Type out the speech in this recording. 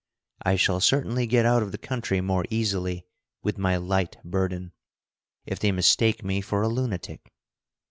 I shall certainly get out of the country more easily with my light burden, if they mistake me for a lunatic."